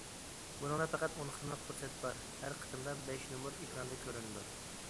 بۇنىڭدا پەقەت ئون قېتىملىق پۇرسەت بار، ھەر قېتىمدا بەش نومۇر ئېكراندا كۆرۈنىدۇ.